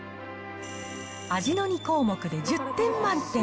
味の２項目で１０点満点。